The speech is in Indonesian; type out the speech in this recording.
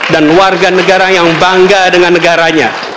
dan warga negara yang bangga dengan negaranya